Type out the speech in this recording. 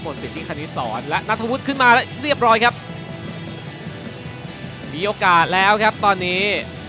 สิทธิคณิสรและนัทธวุฒิขึ้นมาเรียบร้อยครับมีโอกาสแล้วครับตอนนี้